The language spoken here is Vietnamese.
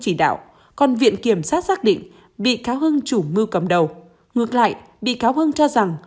chỉ đạo còn viện kiểm sát xác định bị cáo hưng chủ mưu cầm đầu ngược lại bị cáo hưng cho rằng